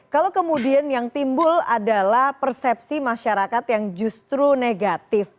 kalau kemudian yang timbul adalah persepsi masyarakat yang justru negatif